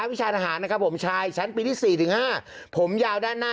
วิชาณทหารนะครับผมชายชั้นปีที่๔๕ผมยาวด้านหน้า